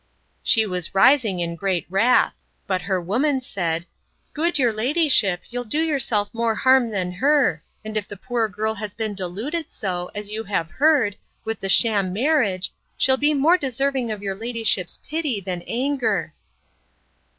She was rising in great wrath: but her woman said, Good your ladyship, you'll do yourself more harm than her; and if the poor girl has been deluded so, as you have heard, with the sham marriage, she'll be more deserving of your ladyship's pity than anger.